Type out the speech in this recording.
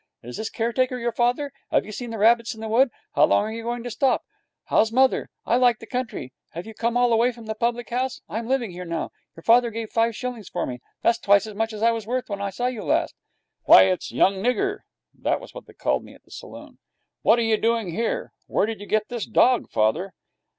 'Is this caretaker your father? Have you seen the rabbits in the wood? How long are you going to stop? How's mother? I like the country. Have you come all the way from the public house? I'm living here now. Your father gave five shillings for me. That's twice as much as I was worth when I saw you last.' 'Why, it's young Nigger!' That was what they called me at the saloon. 'What are you doing here? Where did you get this dog, father?'